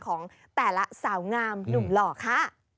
ของแต่ละสาวงามหนุ่มหล่อค่ะ